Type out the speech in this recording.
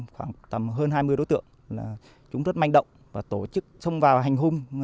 khoảng tầm hơn hai mươi đối tượng là chúng rất manh động và tổ chức xông vào hành hung